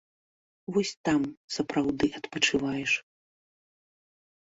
Вось там сапраўды адпачываеш.